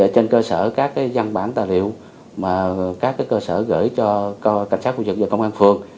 trên cơ sở các văn bản tài liệu mà các cơ sở gửi cho cảnh sát khu vực và công an phường